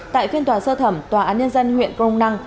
tại phiên tòa sơ thẩm tòa án nhân dân huyện crong năng